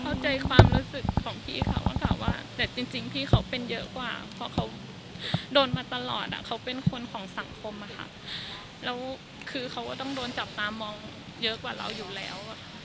เข้าใจความรู้สึกของพี่เขาอะค่ะว่าแต่จริงพี่เขาเป็นเยอะกว่าเพราะเขาโดนมาตลอดเขาเป็นคนของสังคมอะค่ะแล้วคือเขาก็ต้องโดนจับตามองเยอะกว่าเราอยู่แล้ว